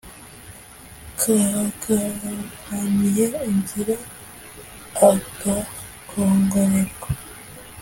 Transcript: kagaramiye inzira-agakongorerwa.